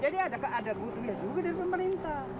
jadi ada keadar butuhnya juga dari pemerintah